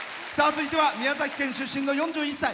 続いては宮崎県出身の４１歳。